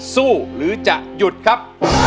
สู้ครับ